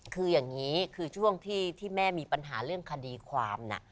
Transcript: คืออย่างนี้คือช่วงที่แม่มีปัญหาเรื่องคดีความน่ะ